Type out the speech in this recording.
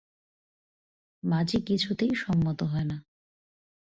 মাজি কিছুতেই সম্মত হয় না।